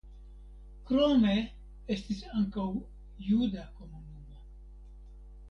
Krome estis ankaŭ juda komunumo.